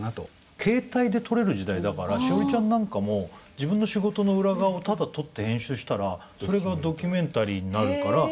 携帯で撮れる時代だから栞里ちゃんなんかも自分の仕事の裏側をただ撮って編集したらそれがドキュメンタリーになるから。